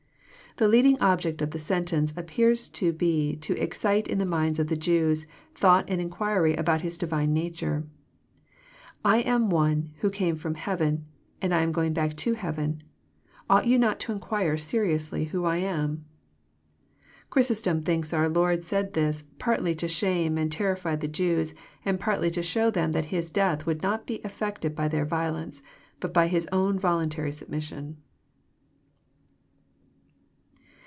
"—The leading object of the sentence appears to be to excite in the minds of the Jews thought and inquiry about His divine nature. '* I am one who came flrom heaven, and am going back to heaven. Ought you not to inquire seriously who I am?'* Chrysostom thinks our Lord said this, partly to shame and terrify the Jews, and partly to show them that His death would not be affected by their violence, bat by His own voluntary sub mission.